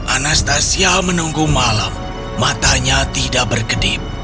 anastasia menunggu malam matanya tidak berkedip